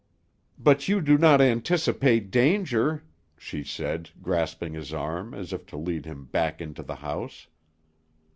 "But you do not anticipate danger?" she said, grasping his arm, as if to lead him back into the house.